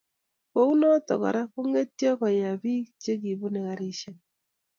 Kounoto Kora kongetyo koya bik che bunei garisiek